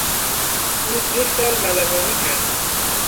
او دو سال ملوانی کرد.